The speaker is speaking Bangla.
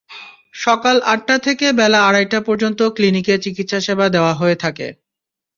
সকাল আটটা থেকে বেলা আড়াইটা পর্যন্ত ক্লিনিকে চিকিৎসাসেবা দেওয়া হয়ে থাকে।